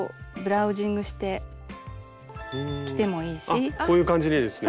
あっこういう感じにですね。